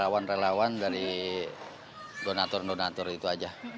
relawan relawan dari donator donator itu aja